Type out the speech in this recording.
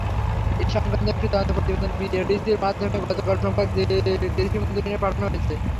এ–সংক্রান্ত একটি তদন্ত প্রতিবেদন বিএডিসির মাধ্যমে গতকাল সোমবার কৃষি মন্ত্রণালয়ে পাঠানো হয়েছে।